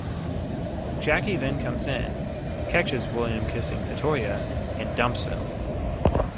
Jackie then comes in, catches William kissing Tatoya and dumps him.